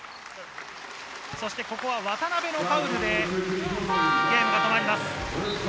そしてここは渡邉のファウルでゲームが止まります。